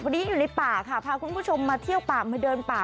วันนี้อยู่ในป่าค่ะพาคุณผู้ชมมาเที่ยวป่ามาเดินป่า